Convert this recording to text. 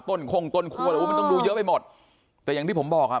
ต้นคงต้นครูแต่ว่ามันต้องดูเยอะไปหมดแต่อย่างที่ผมบอกอ่ะ